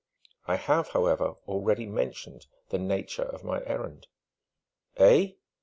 I have, however, already mentioned the nature of my errand." "Eh?"